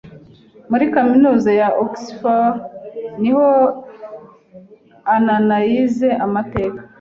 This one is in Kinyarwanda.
Muri kaminuza ya Oxford niho Anna yize amateka.